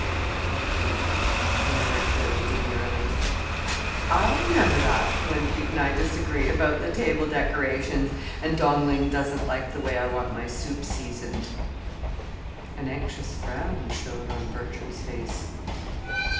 "Thank you," murmured Billy, demurely. "I'll remember that when Pete and I disagree about the table decorations, and Dong Ling doesn't like the way I want my soup seasoned." An anxious frown showed on Bertram's face.